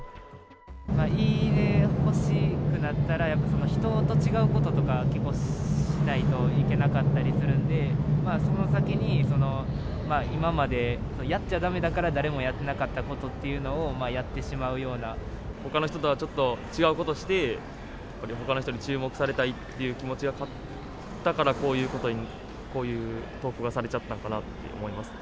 いいねが欲しくなったら、やっぱその人と違うこととか結構しないといけなかったりするんで、その先に、今までやっちゃだめだから誰もやってなかったってことをやってしほかの人とはちょっと違うことをして、ほかの人に注目されたいって気持ちが勝ったから、こういうことに、こういう投稿がされちゃったのかなと思いますね。